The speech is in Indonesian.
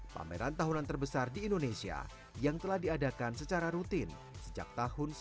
pameran tahunan terbesar di indonesia yang telah diadakan secara rutin sejak tahun seribu sembilan ratus sembilan puluh